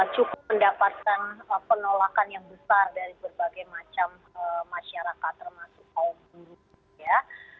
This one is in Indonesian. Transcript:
cukup mendapatkan penolakan yang besar dari berbagai macam masyarakat termasuk kaum buruh ya